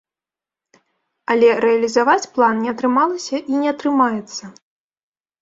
Але рэалізаваць план не атрымалася і не атрымаецца.